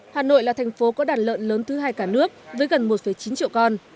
hà nội là thành phố có đàn lợn lớn thứ hai cả nước với gần một chín triệu con